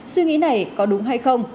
suy nghĩ này có đúng hay không